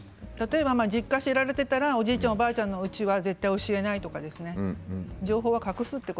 実家を知られていたらおじいちゃんおばあちゃんの家は絶対教えないとか情報を隠す。